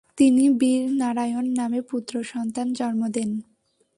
তিনি বীর নারায়ণ নামে পুত্র সন্তান জন্ম দেন।